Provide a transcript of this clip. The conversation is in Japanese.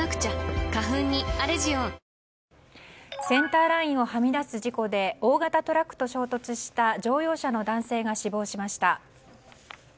センターラインをはみ出す事故で大型トラックと衝突した乗用車の男性が死亡しました。